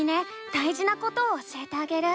だいじなことを教えてあげる。